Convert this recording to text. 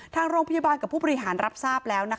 ทางโรงพยาบาลกับผู้บริหารรับทราบแล้ว